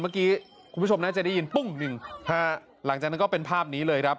เมื่อกี้คุณผู้ชมน่าจะได้ยินปุ้งหนึ่งฮะหลังจากนั้นก็เป็นภาพนี้เลยครับ